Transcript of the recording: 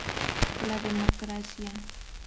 La democracia.